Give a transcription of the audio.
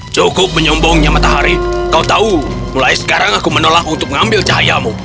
cukup menyombongnya matahari kau tahu mulai sekarang aku menolak untuk mengambil cahayamu